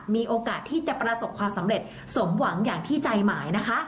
มีโอกาสที่จะประสบความสำเร็จสมหวังอย่างที่ใจหมายนะคะ